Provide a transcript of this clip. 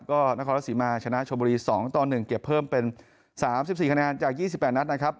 ก็นครรัฐศรีมาชนะชมบุรี๒ต่อ๑เก็บเพิ่มเป็น๓๔คะแนนจาก๒๘นัดนะครับ